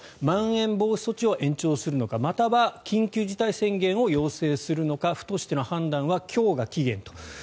まん延防止措置を延長するのかまたは緊急事態宣言を要請するのか府としての判断は今日が期限と。